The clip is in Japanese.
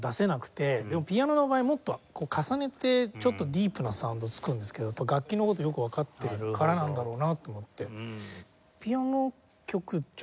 ピアノの場合もっと重ねてちょっとディープなサウンドを作るんですけど楽器の事よくわかっているからなんだろうなと思って。